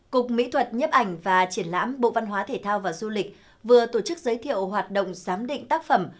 cục mỹ thuật nhấp ảnh và triển lãm bộ văn hóa thể thao và du lịch vừa tổ chức giới thiệu hoạt động giám định tác phẩm